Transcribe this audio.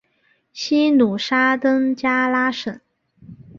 西努沙登加拉省。